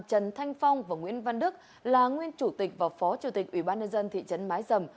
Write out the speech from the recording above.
trần thanh phong và nguyễn văn đức là nguyên chủ tịch và phó chủ tịch ủy ban nhân dân thị trấn mái dầm